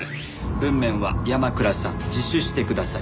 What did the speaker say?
文面は「山倉さん自首してください。